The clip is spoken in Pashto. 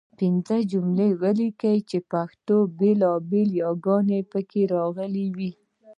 پنځه جملې ولیکئ چې پښتو بېلابېلې یګانې پکې راغلي وي.